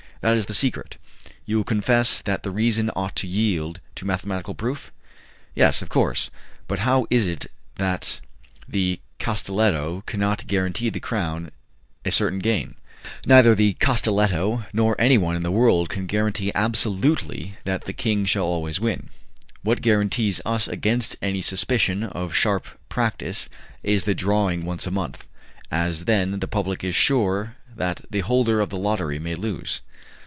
That is the secret. You will confess that the reason ought to yield to a mathematical proof?" "Yes, of course; but how is it that the Castelletto cannot guarantee the Crown a certain gain?" "Neither the Castelletto nor anybody in the world can guarantee absolutely that the king shall always win. What guarantees us against any suspicion of sharp practice is the drawing once a month, as then the public is sure that the holder of the lottery may lose."